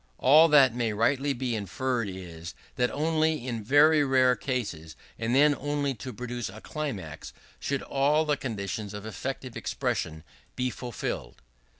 All that may rightly be inferred is, that only in very rare cases, and then only to produce a climax, should all the conditions of effective expression be fulfilled.